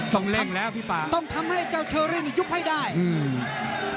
ต้องเร่งแล้วพี่ป่าต้องทำให้เจ้าเชอรี่นี่ยุบให้ได้อืม